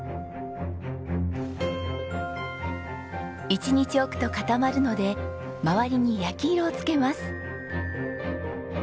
一日置くと固まるので周りに焼き色を付けます。